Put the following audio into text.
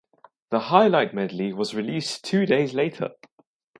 The highlight medley was released two days later.